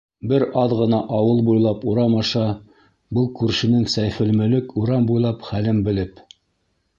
Бер аҙ ғына Ауыл буйлап Урам аша Был күршенең Сәйфелмөлөк Урам буйлап Хәлен белеп.